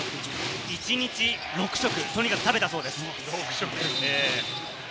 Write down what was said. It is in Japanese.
１日６食、とにかく食べたそうです。